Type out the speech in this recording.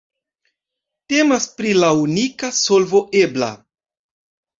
Temas pri la unika solvo ebla.